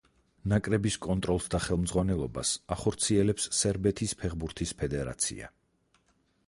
ნაკრების კონტროლს და ხელმძღვანელობას ახორციელებს სერბეთის ფეხბურთის ფედერაცია.